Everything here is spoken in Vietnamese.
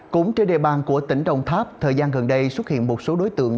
cũng trên địa bàn của tỉnh đồng tháp thời gian gần đây xuất hiện một số đối tượng